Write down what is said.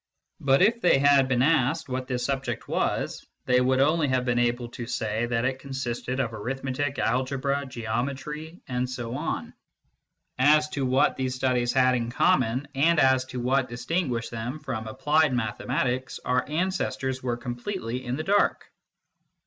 But if they had been asked what this subject was, they would only have been able to say that it consisted of Arithmetic, Algebra, Geometry, and so on. As to what these studies had in common, and as to what distinguished them from applied mathematics, our ancestors were completely in the dark.